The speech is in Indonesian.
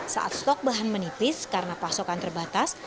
saat stok bahan menipis karena pasokan terbatas